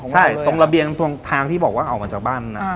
ใช่ตรงระเบียงตรงทางที่บอกว่าออกมาจากบ้านนะ